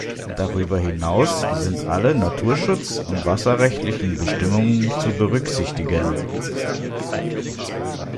Darüber hinaus sind alle naturschutz- und wasserrechtlichen Bestimmungen zu berücksichtigen.